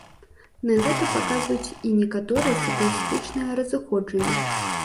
На гэта паказваюць і некаторыя статыстычныя разыходжанні.